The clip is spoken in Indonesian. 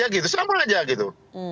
ya sama aja gitu